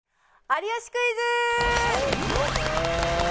『有吉クイズ』！